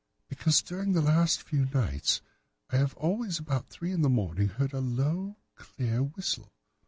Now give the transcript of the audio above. "'Because during the last few nights I have always, about three in the morning, heard a low, clear whistle.